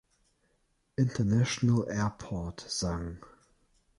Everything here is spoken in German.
International Airport" sang.